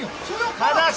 ただし！